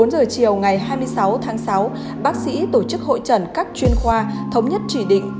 bốn giờ chiều ngày hai mươi sáu tháng sáu bác sĩ tổ chức hội trần các chuyên khoa thống nhất chỉ định